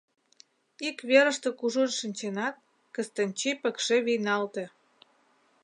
Ик верыште кужун шинченат, Кыстынчий пыкше вийналте.